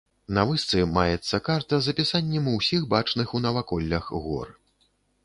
На вышцы маецца карта з апісаннем ўсіх бачных у наваколлях гор.